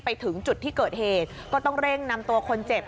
ไปถึงจุดที่เกิดเหตุก็ต้องเร่งนำตัวคนเจ็บ